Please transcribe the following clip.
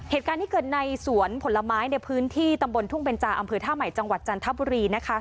เหตุการณ์ที่เกิดในสวนผลไม้ในพื้นที่ตำบลทุ่งเบนจาอำเภอท่าใหม่จังหวัดจันทบุรีนะคะ